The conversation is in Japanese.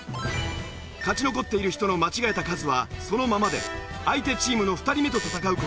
勝ち残っている人の間違えた数はそのままで相手チームの２人目と戦う事に。